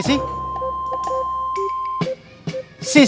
kalian tahu sisi